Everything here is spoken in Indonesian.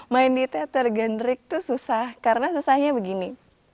main di teater gendrik itu susah karena susahnya begini